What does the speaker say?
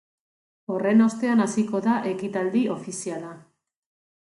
Horren ostean hasiko da ekitaldi ofiziala.